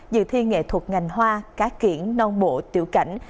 dự thi nghệ thuật ngành hoa cá kiển non bộ tiểu cảnh